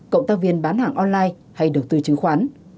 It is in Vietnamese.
cộng tác viên bán hàng online hay đầu tư chứng khoán